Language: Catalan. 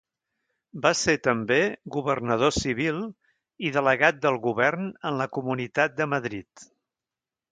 Va ser també governador civil i delegat del Govern en la comunitat de Madrid.